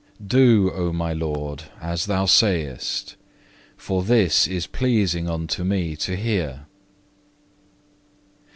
2. Do, O my Lord, as Thou sayest, for this is pleasing unto me to hear.